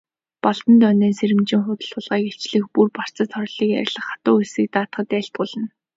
Балгандонойн сэржмийг худал хулгайг илчлэх, бүх барцад хорлолыг арилгах, хатуу үйлсийг даатгахад айлтгуулна.